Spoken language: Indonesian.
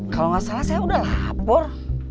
kalau nggak salah saya udah lapor